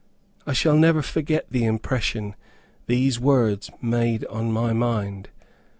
I shall never forget the impression these words made on my mind.